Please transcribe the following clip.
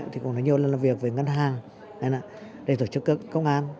thì cũng đã nhiều lần làm việc với ngân hàng để tổ chức công an